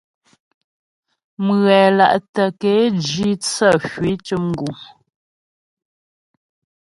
Mghɛla'tə ke jǐ tsə hwî cʉm guŋ.